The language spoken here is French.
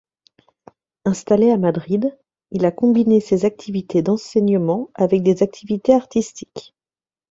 Installé à Madrid, il a combiné ses activités d'enseignement avec des activités artistiques.